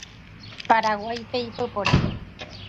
Paraguáipe ipypore.